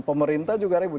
pemerintah juga ribut